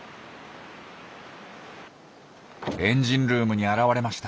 エンジンルームに現れました。